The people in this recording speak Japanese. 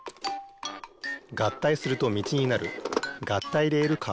合体するとみちになる合体レールカー。